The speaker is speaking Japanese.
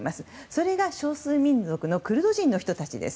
それが、少数民族のクルド人の人たちです。